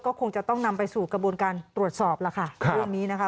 ก็คงจะต้องนำไปสู่กระบวนการตรวจสอบล่ะค่ะ